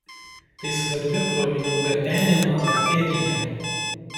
Tai svarbi krovinių gabenimo arterija.